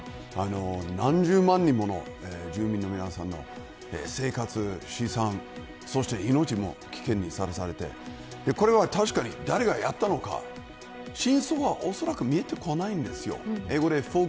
何十万人もの住民の皆さんの生活資産そして命も危険にさらされてこれは確かに誰がやったのか真相は、恐らく見えてこないんです。